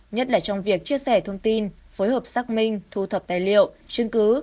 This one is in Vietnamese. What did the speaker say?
nhất là trong việc chia sẻ thông tin phối hợp xác minh thu thập tài liệu chứng cứ